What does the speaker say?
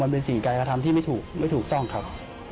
มันเป็นสิ่งกายกอร์ทำที่ไม่ถูกต้องครับ